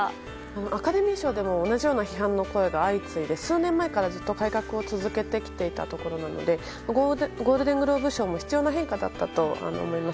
アカデミー賞でも同じような批判の声が相次いで、数年前からずっと改革を続けていたところなのでゴールデングローブ賞も必要な変化だったと思います。